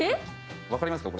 分かりますか？